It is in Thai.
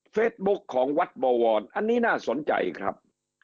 เฟซบุ๊กของวัดบวรอันนี้น่าสนใจครับ